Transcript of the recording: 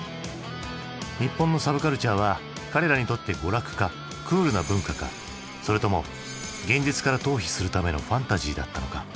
日本のサブカルチャーは彼らにとって娯楽かクールな文化かそれとも現実から逃避するためのファンタジーだったのか？